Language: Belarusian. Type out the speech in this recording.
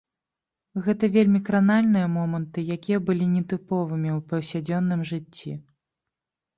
Гэта вельмі кранальныя моманты, якія былі нетыповымі ў паўсядзённым жыцці.